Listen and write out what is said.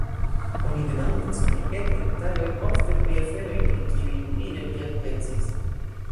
Oni demandas pri etaj detaloj, ofte pri aferoj, pri kiuj mi neniam pensis.